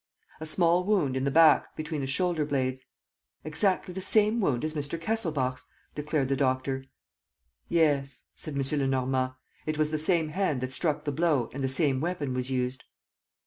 ...A small wound in the back, between the shoulder blades. ... "Exactly the same wound as Mr. Kesselbach's," declared the doctor. "Yes," said M. Lenormand, "it was the same hand that struck the blow and the same weapon was used."